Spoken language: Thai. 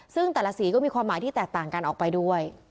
ซึ่งแต่ละสีก็มีความหมายที่แตกต่างกันออกไปด้วย